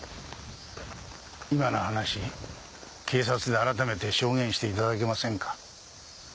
今の話警察で改めて証言していただけませんか？